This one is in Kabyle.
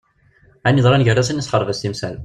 Ayen yeḍran gar-asen yessexreb-as timsal.